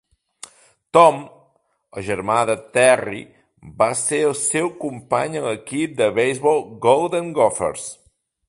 Tom, el germà de Terry, va ser el seu company a l'equip de beisbol Golden Gophers.